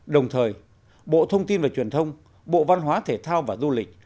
đồng thời bộ thông tin và truyền thông bộ văn hóa thể thao và du lịch